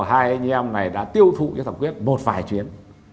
hai anh em này đã tiêu thụ cho thẩm quyết một vài chuyến